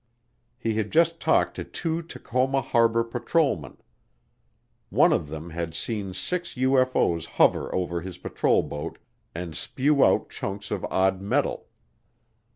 He had just talked to two Tacoma Harbor patrolmen. One of them had seen six UFO's hover over his patrol boat and spew out chunks of odd metal.